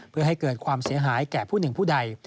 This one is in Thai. เพื่อให้เกิดความเสียหายแก่ผู้หนึ่งผู้ใด